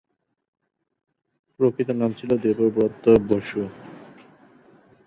প্রকৃত নাম ছিল দেবব্রত বসু।